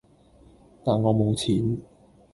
但我冇錢